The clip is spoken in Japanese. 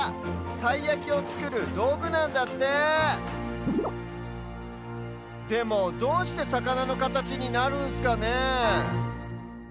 たいやきをつくるどうぐなんだってでもどうしてさかなのかたちになるんすかねえ。